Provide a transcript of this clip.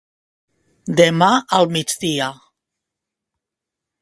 Demà al migdia.